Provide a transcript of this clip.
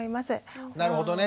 なるほどね。